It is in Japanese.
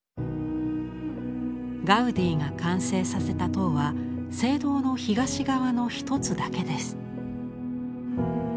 ガウディが完成させた塔は聖堂の東側の一つだけです。